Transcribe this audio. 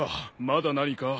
まだ何か？